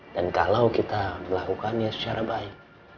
kalau kita melakukannya secara baik